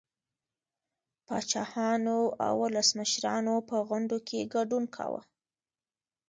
پاچاهانو او ولسمشرانو په غونډو کې ګډون کاوه